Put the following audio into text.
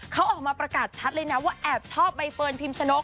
เขาออกมาประกาศชัดเลยนะว่าแอบชอบใบเฟิร์นพิมชนก